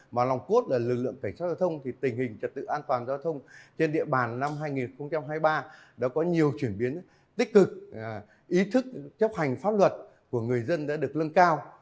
mà lòng cốt là lực lượng cảnh sát giao thông thì tình hình trật tự an toàn giao thông trên địa bàn năm hai nghìn hai mươi ba đã có nhiều chuyển biến tích cực ý thức chấp hành pháp luật của người dân đã được lân cao